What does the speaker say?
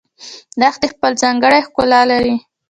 دښتې خپل ځانګړی ښکلا لري